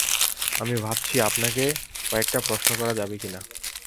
আমি ভাবছি আপনাকে কয়েকটা প্রশ্ন করা যাবে কিনা।